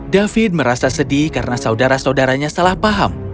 david merasa sedih karena saudara saudaranya salah paham